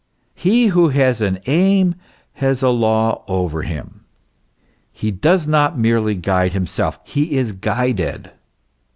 He who has an aim, has a law over him ; he does not merely guide himself; he is guided.